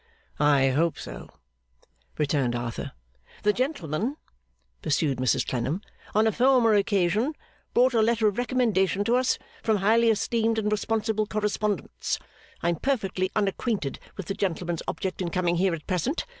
'I hope so,' returned Arthur. 'The gentleman,' pursued Mrs Clennam, 'on a former occasion brought a letter of recommendation to us from highly esteemed and responsible correspondents. I am perfectly unacquainted with the gentleman's object in coming here at present.